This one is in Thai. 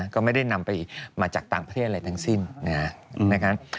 ก็ไม่ได้นำไปมาจากต่างประเทศอะไรทั้งสิ้นนะครับ